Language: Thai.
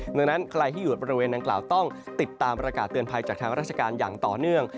ดังนั้นใครที่อยู่บริเวณดังกล่าวต้องติดตามประกาศเตือนภัยจากทางราชการอย่างต่อเนื่อง